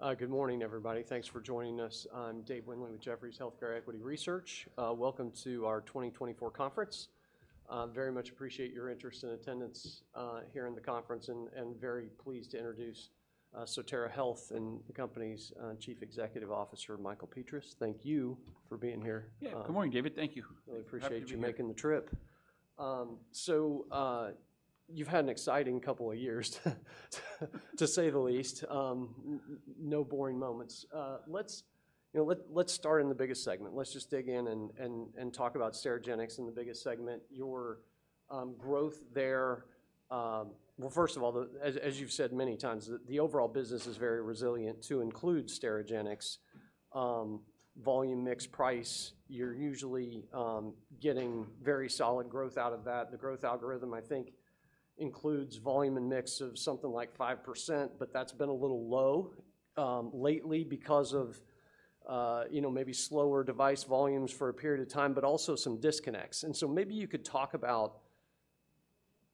All right. Good morning, everybody. Thanks for joining us. I'm Dave Windley with Jefferies Healthcare Equity Research. Welcome to our 2024 conference. Very much appreciate your interest and attendance, here in the conference, and, and very pleased to introduce, Sotera Health and the company's, Chief Executive Officer, Michael Petras. Thank you for being here. Yeah. Good morning, David. Thank you. Really appreciate. Happy to be here. You making the trip. So, you've had an exciting couple of years, to say the least. No boring moments. Let's, you know, let's start in the biggest segment. Let's just dig in and talk about Sterigenics and the biggest segment, your growth there. Well, first of all, as you've said many times, the overall business is very resilient to include Sterigenics. Volume, mix, price, you're usually getting very solid growth out of that. The growth algorithm, I think, includes volume and mix of something like 5%, but that's been a little low lately because of, you know, maybe slower device volumes for a period of time, but also some disconnects. So maybe you could talk about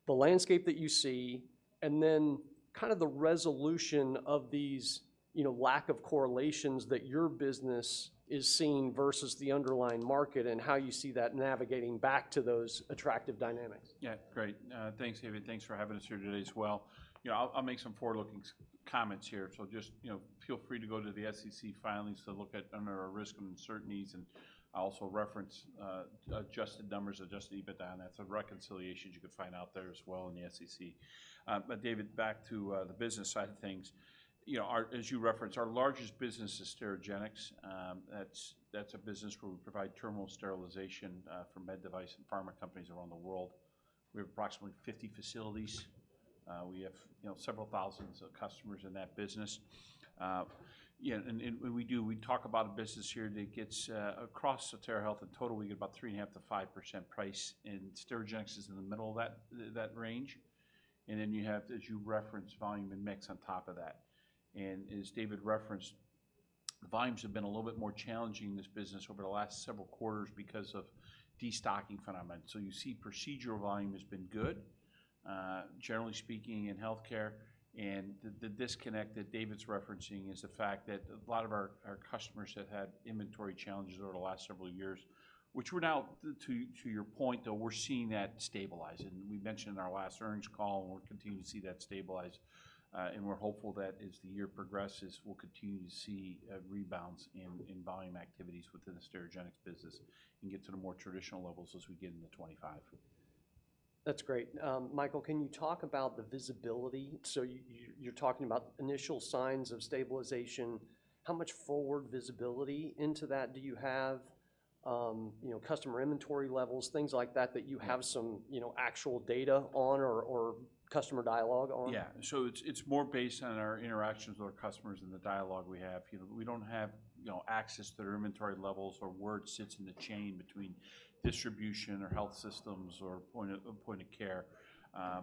the landscape that you see, and then kind of the resolution of these, you know, lack of correlations that your business is seeing versus the underlying market, and how you see that navigating back to those attractive dynamics. Yeah, great. Thanks, David. Thanks for having us here today as well. You know, I'll make some forward-looking statements here, so just, you know, feel free to go to the SEC filings to look at under our risk and uncertainties, and I'll also reference adjusted numbers, adjusted EBITDA, and that's a reconciliation you could find out there as well in the SEC. But David, back to the business side of things, you know, as you referenced, our largest business is Sterigenics. That's a business where we provide terminal sterilization for med device and pharma companies around the world. We have approximately 50 facilities. We have, you know, several thousand customers in that business. Yeah, and when we do, we talk about a business here that gets across Sotera Health in total, we get about 3.5%-5% price, and Sterigenics is in the middle of that range. And then you have, as you referenced, volume and mix on top of that. And as David referenced, volumes have been a little bit more challenging in this business over the last several quarters because of destocking phenomenon. So you see procedural volume has been good, generally speaking, in healthcare, and the disconnect that David's referencing is the fact that a lot of our customers have had inventory challenges over the last several years, which we're now, to your point, though, we're seeing that stabilize. We mentioned in our last earnings call, and we're continuing to see that stabilize, and we're hopeful that as the year progresses, we'll continue to see rebounds in volume activities within the Sterigenics business and get to the more traditional levels as we get into 25. That's great. Michael, can you talk about the visibility? So you're talking about initial signs of stabilization. How much forward visibility into that do you have, you know, customer inventory levels, things like that, that you have some, you know, actual data on or customer dialogue on? Yeah. So it's more based on our interactions with our customers and the dialogue we have. You know, we don't have access to their inventory levels or where it sits in the chain between distribution, or health systems, or point of care.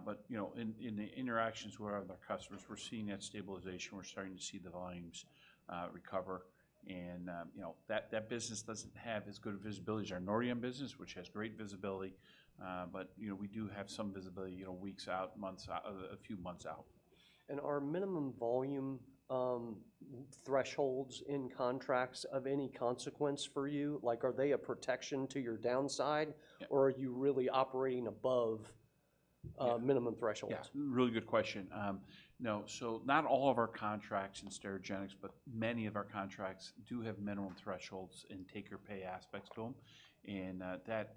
But, you know, in the interactions with our other customers, we're seeing that stabilization. We're starting to see the volumes recover, and, you know, that business doesn't have as good of visibility as our Nordion business, which has great visibility. But, you know, we do have some visibility, you know, weeks out, months out, a few months out. Are minimum volume thresholds in contracts of any consequence for you? Like, are they a protection to your downside. Yeah Or are you really operating above- Yeah Minimum thresholds? Yeah, really good question. No, so not all of our contracts in Sterigenics, but many of our contracts do have minimum thresholds and take or pay aspects to them, and that,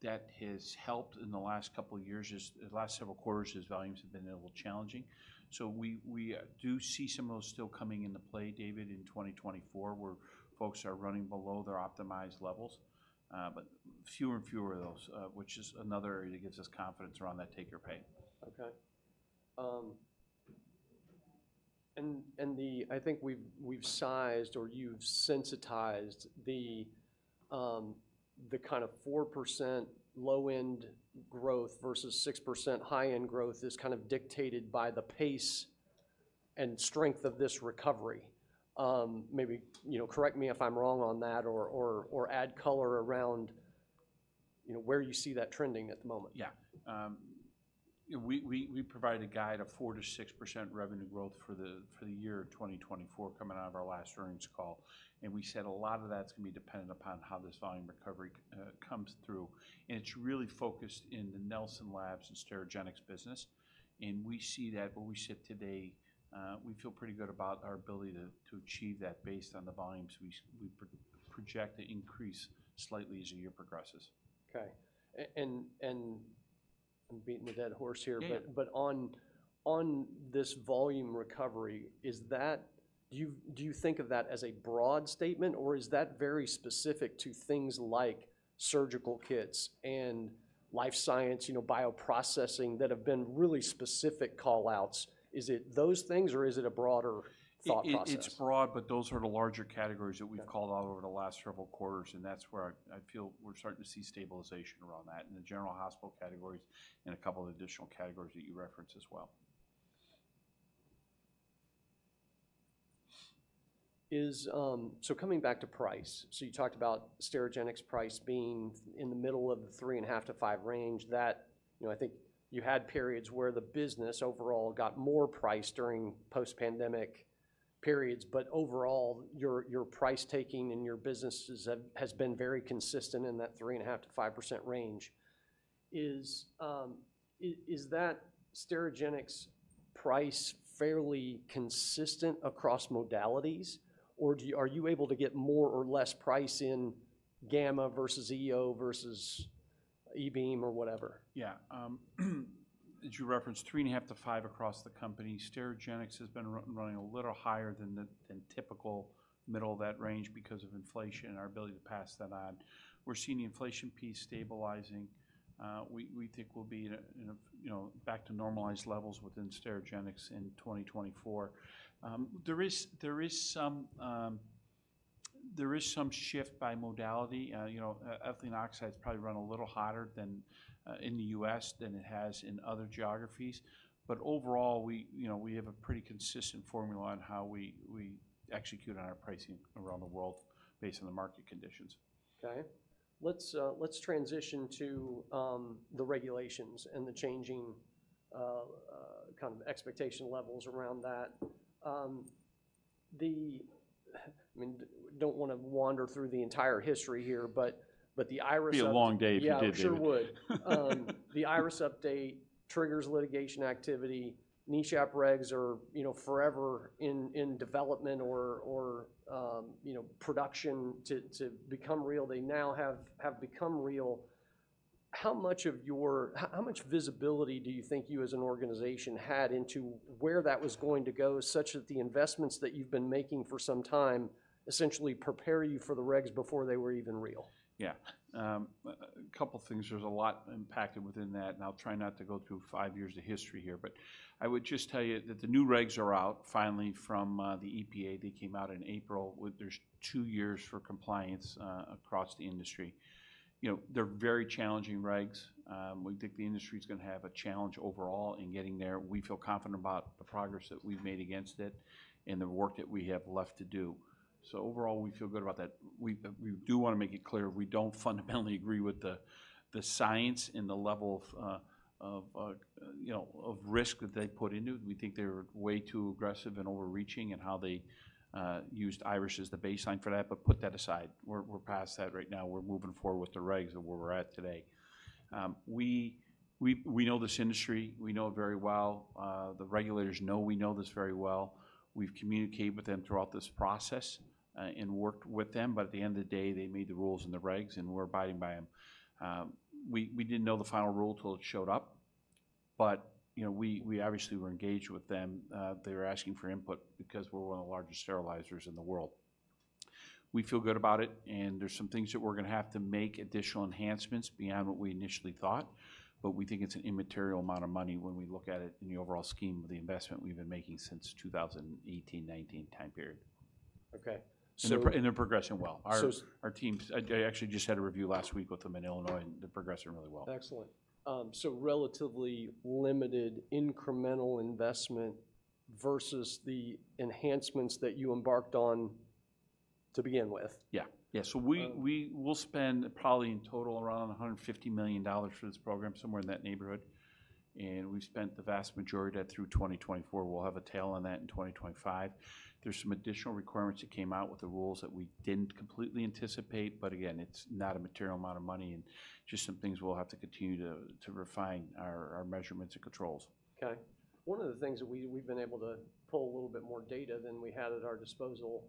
that has helped in the last couple of years, just the last several quarters as volumes have been a little challenging. So we, we do see some of those still coming into play, David, in 2024, where folks are running below their optimized levels, but fewer and fewer of those, which is another area that gives us confidence around that take or pay. Okay. And the—I think we've sized or you've sensitized the kind of 4% low-end growth versus 6% high-end growth is kind of dictated by the pace and strength of this recovery. Maybe, you know, correct me if I'm wrong on that or, or, or add color around, you know, where you see that trending at the moment. Yeah. Yeah, we provided a guide of 4%-6% revenue growth for the year 2024 coming out of our last earnings call, and we said a lot of that's gonna be dependent upon how this volume recovery comes through. And it's really focused in the Nelson Labs and Sterigenics business, and we see that when we ship today, we feel pretty good about our ability to achieve that based on the volumes we project to increase slightly as the year progresses. Okay. And I'm beating the dead horse here. Yeah. But on this volume recovery, is that, do you think of that as a broad statement, or is that very specific to things like surgical kits and life science, you know, bioprocessing, that have been really specific call-outs? Is it those things, or is it a broader thought process? It's broad, but those are the larger categories that we've Yeah. Called out over the last several quarters, and that's where I, I feel we're starting to see stabilization around that, in the general hospital categories and a couple of additional categories that you referenced as well. Is so coming back to price. So you talked about Sterigenics' price being in the middle of the 3.5-5 range, that, you know, I think you had periods where the business overall got more price during post-pandemic periods, but overall, your, your price taking and your businesses have, has been very consistent in that 3.5%-5% range. Is that Sterigenics price fairly consistent across modalities, or do you, are you able to get more or less price in gamma versus EO versus E-beam or whatever? Yeah, as you referenced, 3.5-5 across the company. Sterigenics has been running a little higher than the typical middle of that range because of inflation and our ability to pass that on. We're seeing the inflation piece stabilizing. We think we'll be in a, you know, back to normalized levels within Sterigenics in 2024. There is some shift by modality. You know, ethylene oxide's probably run a little hotter than in the U.S. than it has in other geographies. But overall, we, you know, we have a pretty consistent formula on how we execute on our pricing around the world based on the market conditions. Okay. Let's transition to the regulations and the changing kind of expectation levels around that. I mean, don't wanna wander through the entire history here, but the IRIS- Be a long day if you did anyway. Yeah, it sure would. The IRIS update triggers litigation activity. NESHAP regs are, you know, forever in development or production to become real. They now have become real. How much visibility do you think you, as an organization, had into where that was going to go, such that the investments that you've been making for some time essentially prepare you for the regs before they were even real? Yeah. A couple things. There's a lot impacted within that, and I'll try not to go through five years of history here. But I would just tell you that the new regs are out finally from the EPA. They came out in April. With there's two years for compliance across the industry. You know, they're very challenging regs. We think the industry's gonna have a challenge overall in getting there. We feel confident about the progress that we've made against it and the work that we have left to do. So overall, we feel good about that. We do wanna make it clear, we don't fundamentally agree with the science and the level of, you know, of risk that they put into it. We think they were way too aggressive and overreaching in how they used IRIS as the baseline for that, but put that aside. We're past that right now. We're moving forward with the regs and where we're at today. We know this industry, we know it very well. The regulators know we know this very well. We've communicated with them throughout this process, and worked with them, but at the end of the day, they made the rules and the regs, and we're abiding by them. We didn't know the final rule till it showed up, but you know, we obviously were engaged with them. They were asking for input because we're one of the largest sterilizers in the world. We feel good about it, and there's some things that we're gonna have to make additional enhancements beyond what we initially thought, but we think it's an immaterial amount of money when we look at it in the overall scheme of the investment we've been making since 2018, 2019 time period. Okay, so. And they're, and they're progressing well. So. Our teams, I actually just had a review last week with them in Illinois, and they're progressing really well. Excellent. So relatively limited incremental investment versus the enhancements that you embarked on to begin with? Yeah. Yeah, so we, we'll spend probably in total around $150 million for this program, somewhere in that neighborhood, and we've spent the vast majority of that through 2024. We'll have a tail on that in 2025. There's some additional requirements that came out with the rules that we didn't completely anticipate, but again, it's not a material amount of money and just some things we'll have to continue to refine our measurements and controls. Okay. One of the things that we've been able to pull a little bit more data than we had at our disposal,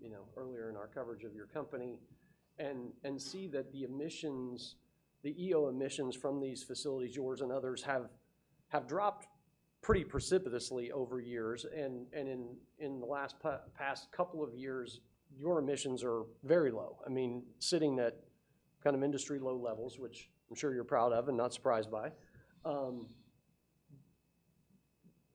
you know, earlier in our coverage of your company, and see that the emissions, the EO emissions from these facilities, yours and others, have dropped pretty precipitously over years. And in the last past couple of years, your emissions are very low. I mean, sitting at kind of industry-low levels, which I'm sure you're proud of and not surprised by.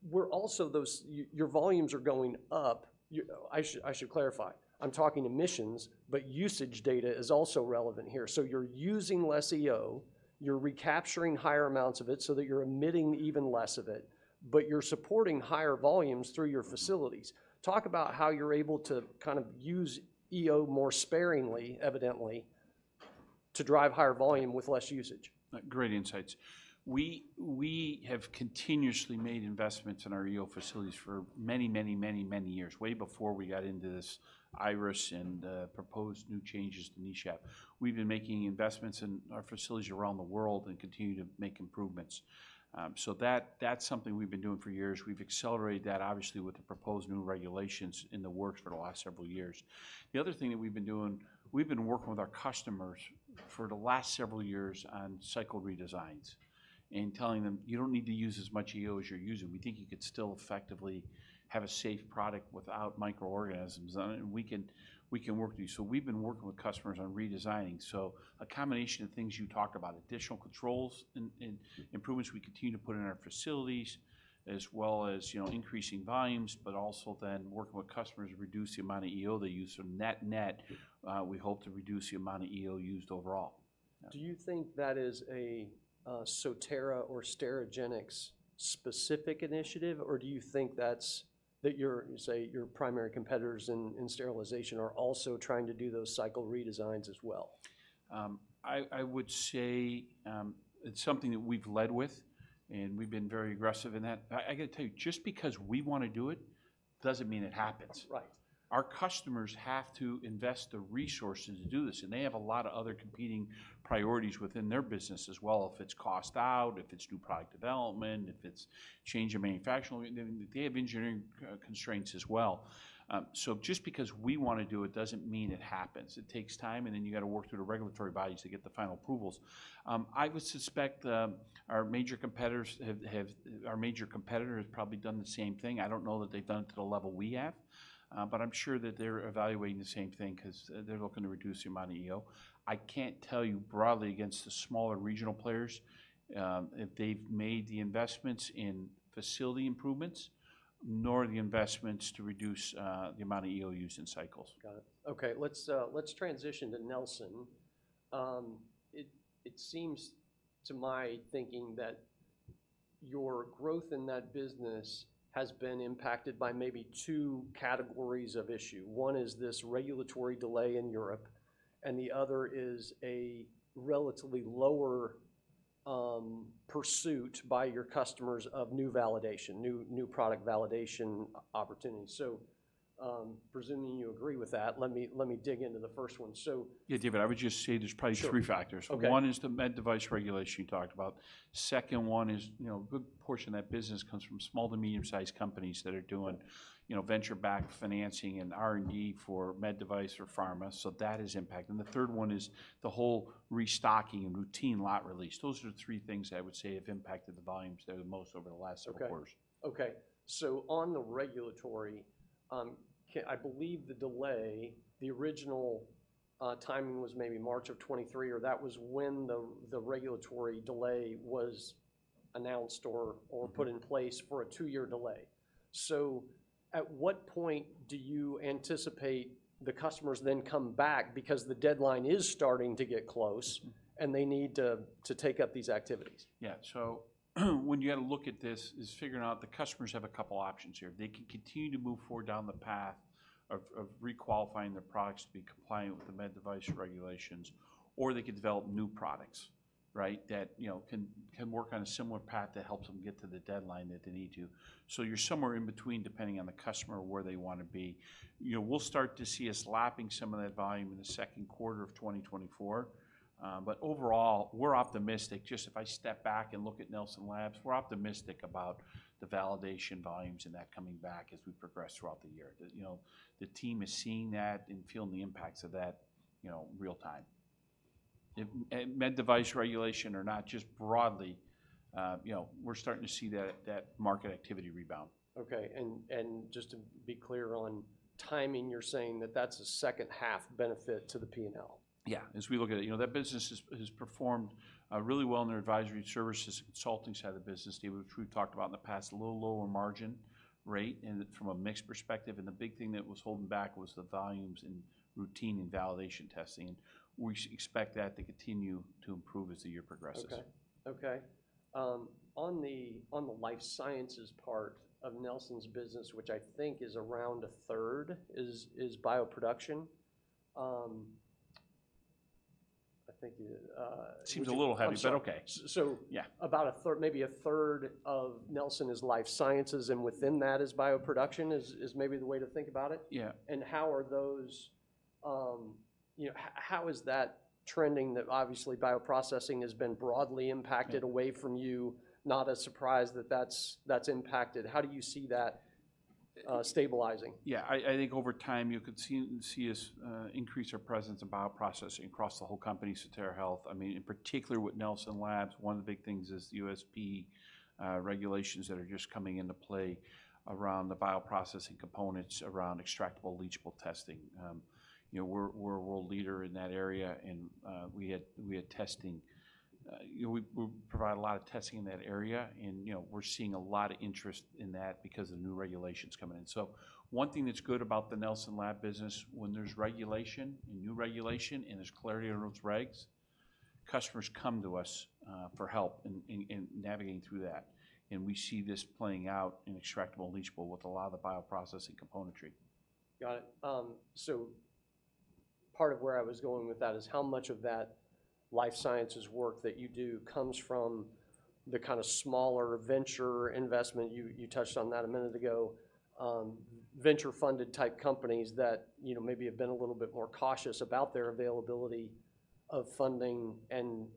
We're also, those... Your volumes are going up. You... I should clarify. I'm talking emissions, but usage data is also relevant here. So you're using less EO, you're recapturing higher amounts of it so that you're emitting even less of it, but you're supporting higher volumes through your facilities. Talk about how you're able to kind of use EO more sparingly, evidently, to drive higher volume with less usage. Great insights. We, we have continuously made investments in our EO facilities for many, many, many, many years, way before we got into this IRIS and proposed new changes to NESHAP. We've been making investments in our facilities around the world and continue to make improvements. So that, that's something we've been doing for years. We've accelerated that, obviously, with the proposed new regulations in the works for the last several years. The other thing that we've been doing, we've been working with our customers for the last several years on cycle redesigns, and telling them, "You don't need to use as much EO as you're using. We think you could still effectively have a safe product without microorganisms on it, and we can, we can work with you." So we've been working with customers on redesigning. So a combination of things you talked about, additional controls and improvements we continue to put in our facilities, as well as, you know, increasing volumes, but also then working with customers to reduce the amount of EO they use. So net-net. Yeah. We hope to reduce the amount of EO used overall. Do you think that is a Sotera or Sterigenics specific initiative, or do you think that's, that your, say, your primary competitors in sterilization are also trying to do those cycle redesigns as well? I would say, it's something that we've led with, and we've been very aggressive in that. I gotta tell you, just because we want to do it, doesn't mean it happens. Right. Our customers have to invest the resources to do this, and they have a lot of other competing priorities within their business as well. If it's cost out, if it's new product development, if it's change in manufacturing, they have engineering constraints as well. So just because we want to do it doesn't mean it happens. It takes time, and then you've gotta work through the regulatory bodies to get the final approvals. I would suspect our major competitors have... Our major competitor has probably done the same thing. I don't know that they've done it to the level we have, but I'm sure that they're evaluating the same thing, 'cause they're looking to reduce the amount of EO. I can't tell you broadly against the smaller regional players, if they've made the investments in facility improvements, nor the investments to reduce the amount of EO used in cycles. Got it. Okay, let's transition to Nelson. It seems to my thinking that your growth in that business has been impacted by maybe two categories of issue. One is this regulatory delay in Europe, and the other is a relatively lower pursuit by your customers of new validation, new product validation opportunities. So, presuming you agree with that, let me dig into the first one. So- Yeah, David, I would just say there's probably three factors. Sure. Okay. One is the med device regulation you talked about. Second one is, you know, a good portion of that business comes from small to medium-sized companies that are doing, you know, venture-backed financing and R&D for med device or pharma, so that is impacting. The third one is the whole restocking and routine lot release. Those are the three things I would say have impacted the volumes there the most over the last several quarters. Okay. Okay, so on the regulatory, I believe the delay, the original timing was maybe March of 2023, or that was when the regulatory delay was announced or put in place for a 2-year delay. So at what point do you anticipate the customers then come back? Because the deadline is starting to get close and they need to take up these activities. Yeah, so when you get a look at this, is figuring out the customers have a couple options here. They can continue to move forward down the path of re-qualifying their products to be compliant with the med device regulations, or they can develop new products, right, that, you know, can work on a similar path that helps them get to the deadline that they need to. So you're somewhere in between, depending on the customer, where they wanna be. You know, we'll start to see us lapping some of that volume in the Q2 of 2024. But overall, we're optimistic. Just if I step back and look at Nelson Labs, we're optimistic about the validation volumes and that coming back as we progress throughout the year. You know, the team is seeing that and feeling the impacts of that, you know, real time. It, Medical Device Regulation are not just broadly, you know, we're starting to see that market activity rebound. Okay, and, and just to be clear on timing, you're saying that that's a second half benefit to the P&L? Yeah, as we look at it. You know, that business has performed really well in the advisory services consulting side of the business, David, which we've talked about in the past. A little lower margin rate and from a mix perspective, and the big thing that was holding back was the volumes in routine and validation testing. And we expect that to continue to improve as the year progresses. Okay. Okay, on the life sciences part of Nelson's business, which I think is around a third, is bioprocessing, I think it Seems a little heavy, but okay. So. Yeah. About a third, maybe a third of Nelson is life sciences, and within that is bioproduction, maybe the way to think about it? Yeah. How are those... You know, how is that trending? That obviously, bioprocessing has been broadly impacted. Yeah. .Away from you. Not a surprise that that's impacted. How do you see that stabilizing? Yeah, I think over time you could see us increase our presence in bioprocessing across the whole company, Sotera Health. I mean, in particular with Nelson Labs, one of the big things is USP regulations that are just coming into play around the bioprocessing components, around extractable leachable testing. You know, we're a world leader in that area, and we had testing. You know, we provide a lot of testing in that area, and you know, we're seeing a lot of interest in that because of the new regulations coming in. So one thing that's good about the Nelson Lab business, when there's regulation and new regulation, and there's clarity around those regs, customers come to us for help in navigating through that. We see this playing out in extractable leachable with a lot of the bioprocessing componentry. Got it. So part of where I was going with that is how much of that life sciences work that you do comes from the kind of smaller venture investment? You touched on that a minute ago. Venture-funded type companies that, you know, maybe have been a little bit more cautious about their availability of funding and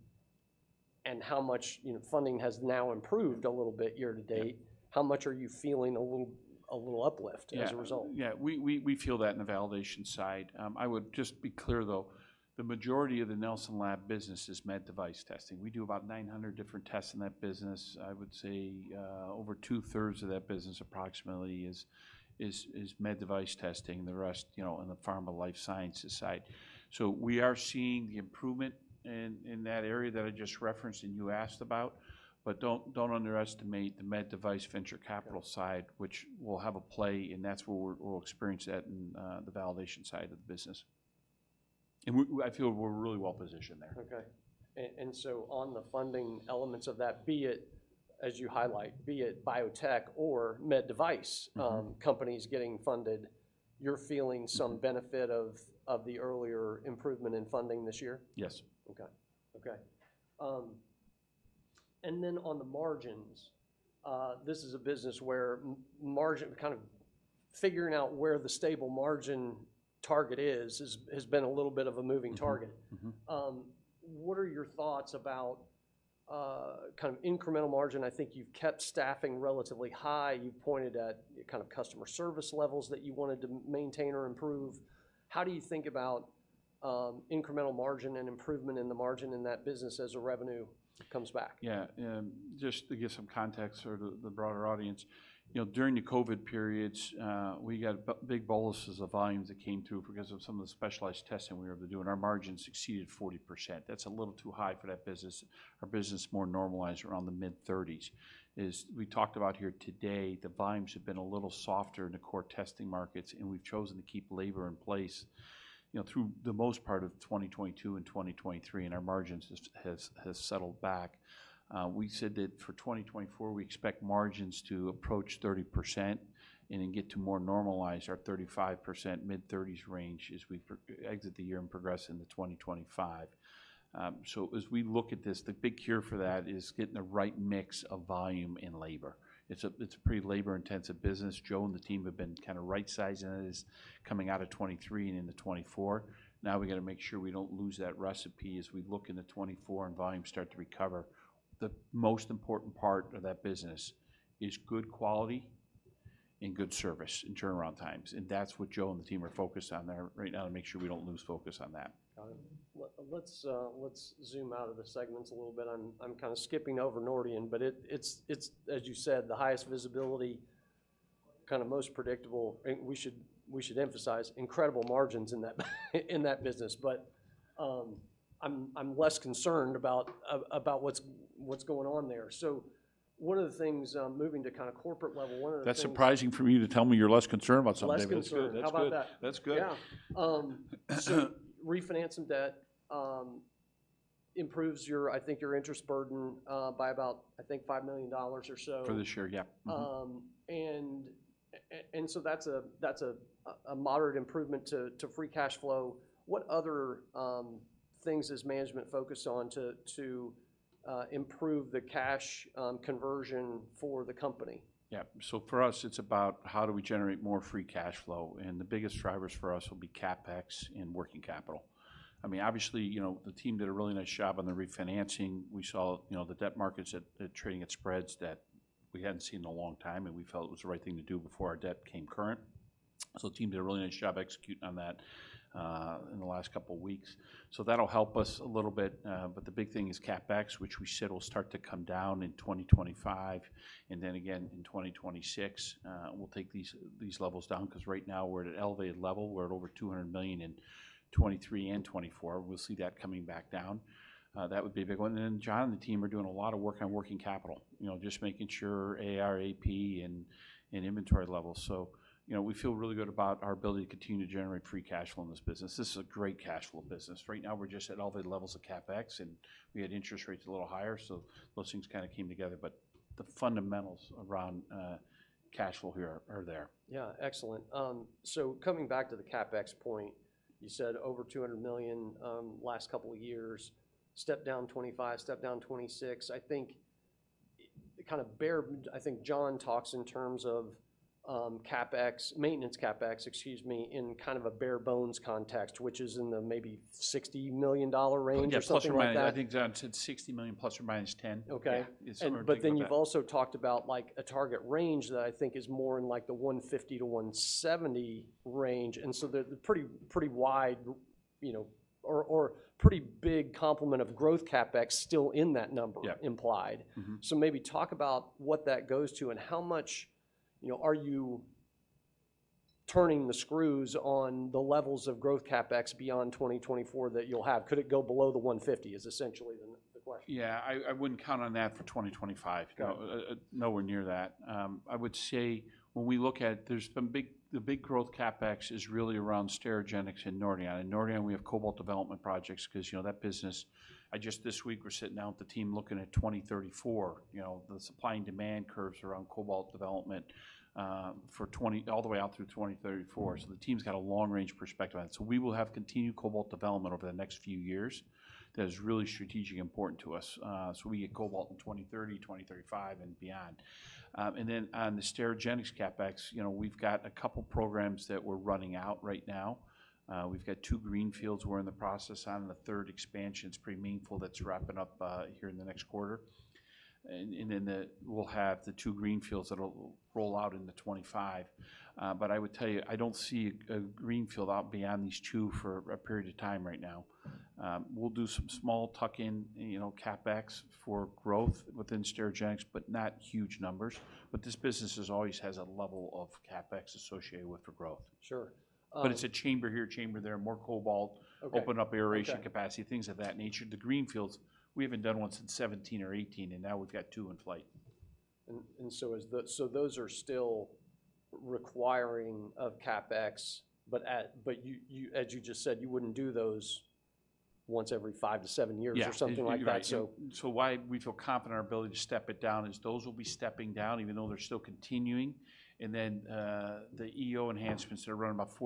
how much, you know, funding has now improved a little bit year to date? Yeah. How much are you feeling a little uplift as a result? Yeah, yeah, we feel that in the validation side. I would just be clear though, the majority of the Nelson Labs business is med device testing. We do about 900 different tests in that business. I would say, over two-thirds of that business approximately is med device testing. The rest, you know, on the pharma life sciences side. So we are seeing the improvement in that area that I just referenced, and you asked about, but don't underestimate the med device venture capital side, which will have a play, and that's where we'll experience that in the validation side of the business. And I feel we're really well positioned there. Okay. So on the funding elements of that, be it, as you highlight, be it biotech or med device companies getting funded, you're feeling some benefit of the earlier improvement in funding this year? Yes. Okay. Okay. And then on the margins, this is a business where margin, kind of figuring out where the stable margin target is, has been a little bit of a moving target. What are your thoughts about, kind of incremental margin? I think you've kept staffing relatively high. You pointed at kind of customer service levels that you wanted to maintain or improve. How do you think about, incremental margin and improvement in the margin in that business as the revenue comes back? Yeah. And just to give some context for the broader audience, you know, during the COVID periods, we got big boluses of volumes that came through because of some of the specialized testing we were doing, our margins exceeded 40%. That's a little too high for that business. Our business is more normalized around the mid-30s. As we talked about here today, the volumes have been a little softer in the core testing markets, and we've chosen to keep labor in place, you know, through the most part of 2022 and 2023, and our margins has settled back. We said that for 2024, we expect margins to approach 30% and then get to more normalized, our 35%, mid-30s range as we exit the year and progress into 2025. So as we look at this, the big cure for that is getting the right mix of volume and labor. It's a pretty labor-intensive business. Joe and the team have been kind of right-sizing it as coming out of 2023 and into 2024. Now we've got to make sure we don't lose that recipe as we look into 2024 and volumes start to recover. The most important part of that business is good quality and good service and turnaround times, and that's what Joe and the team are focused on there right now, to make sure we don't lose focus on that. Got it. Let's zoom out of the segments a little bit. I'm kind of skipping over Nordion, but it's, as you said, the highest visibility, kind of most predictable. And we should emphasize incredible margins in that business. But I'm less concerned about what's going on there. So one of the things, moving to kind of corporate level, one of the things- That's surprising for you to tell me you're less concerned about something. Less concerned. That's good. How about that? That's good. Yeah. So refinancing debt improves your, I think, your interest burden by about, I think, $5 million or so. For this year, yeah. And so that's a moderate improvement to free cash flow. What other things is management focused on to improve the cash conversion for the company? Yeah. So for us, it's about how do we generate more free cash flow? And the biggest drivers for us will be CapEx and working capital. I mean, obviously, you know, the team did a really nice job on the refinancing. We saw, you know, the debt markets at trading at spreads that we hadn't seen in a long time, and we felt it was the right thing to do before our debt became current. So the team did a really nice job executing on that, in the last couple of weeks. So that'll help us a little bit, but the big thing is CapEx, which we said will start to come down in 2025, and then again in 2026. We'll take these levels down, because right now we're at an elevated level. We're at over $200 million in 2023 and 2024. We'll see that coming back down. That would be a big one. Then Jon and the team are doing a lot of work on working capital. You know, just making sure AR, AP, and inventory levels. So, you know, we feel really good about our ability to continue to generate free cash flow in this business. This is a great cash flow business. Right now, we're just at elevated levels of CapEx, and we had interest rates a little higher, so those things kind of came together. But the fundamentals around cash flow here are there. Yeah. Excellent. So coming back to the CapEx point, you said over $200 million last couple of years, step down 25, step down 26. I think Jon talks in terms of CapEx, maintenance CapEx, excuse me, in kind of a bare bones context, which is in the maybe $60 million range or something like that. Yeah, plus or minus. I think Jon said $60 million, plus or minus $10 million. Okay. Yeah. It's. But then you've also talked about, like, a target range that I think is more in like the 150-170 range, and so they're pretty, pretty wide, you know, or, or pretty big complement of growth CapEx still in that number- Yeah Implied. So maybe talk about what that goes to and how much, you know, are you turning the screws on the levels of growth CapEx beyond 2024 that you'll have? Could it go below the $150, is essentially the question. Yeah, I wouldn't count on that for 2025. Got it. Nowhere near that. I would say when we look at it, there's some big, the big growth CapEx is really around Sterigenics and Nordion. In Nordion, we have cobalt development projects because, you know, that business, I just this week, we're sitting down with the team looking at 2034. You know, the supply and demand curves around cobalt development, for twenty-- all the way out through 2034. So the team's got a long-range perspective on it. So we will have continued cobalt development over the next few years. That is really strategically important to us. So we get cobalt in 2030, 2035, and beyond. And then on the Sterigenics CapEx, you know, we've got a couple programs that we're running out right now. We've got two greenfields we're in the process on, the third expansion's pretty meaningful that's wrapping up here in the next quarter. And then we'll have the two greenfields that'll roll out into 2025. But I would tell you, I don't see a greenfield out beyond these two for a period of time right now. We'll do some small tuck-in, you know, CapEx for growth within Sterigenics, but not huge numbers. But this business is always has a level of CapEx associated with it for growth. Sure. But it's a chamber here, chamber there, more cobalt- Okay Open up aeration capacity- Okay Things of that nature. The greenfields, we haven't done one since 2017 or 2018, and now we've got two in flight. And so those are still requiring of CapEx, but as you just said, you wouldn't do those once every 5-7 years. Yeah Or something like that. You're right. So. So why we feel confident in our ability to step it down is those will be stepping down, even though they're still continuing, and then, the EO enhancements that are running about four.